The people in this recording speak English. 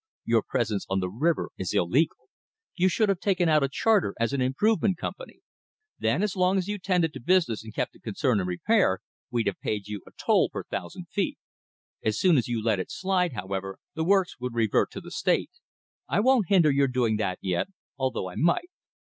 Your presence on the river is illegal. You should have taken out a charter as an Improvement Company. Then as long as you 'tended to business and kept the concern in repair, we'd have paid you a toll per thousand feet. As soon as you let it slide, however, the works would revert to the State. I won't hinder your doing that yet; although I might.